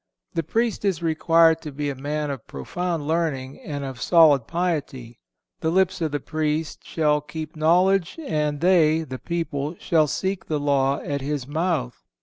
The Priest is required to be a man of profound learning and of solid piety. "The lips of the Priest shall keep knowledge, and they (the people) shall seek the law at his mouth."